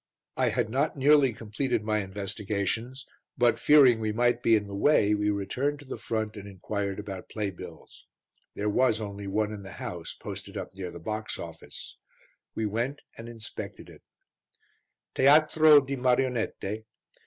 I had not nearly completed my investigations; but, fearing we might be in the way, we returned to the front and inquired about play bills. There was only one in the house, posted up near the box office; we went and inspected it TEATRO DI MARIONETTE.